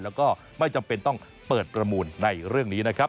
แล้วก็ไม่จำเป็นต้องเปิดประมูลในเรื่องนี้นะครับ